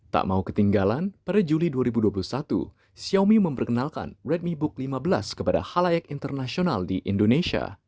tak mau ketinggalan pada juli dua ribu dua puluh satu xiaomi memperkenalkan redmi book lima belas kepada halayak internasional di indonesia